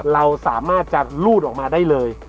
เราสามารถจะรูดออกมาได้เลย